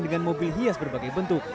dengan mobil hias berbagai bentuk